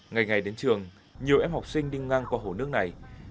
ngày ngày đến trường nhiều em học sinh đi ngang qua hồ nước này